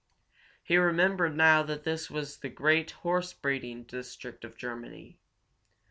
He remembered now that this was the great horse breeding district of Germany.